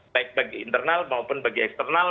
baik bagi internal maupun bagi eksternal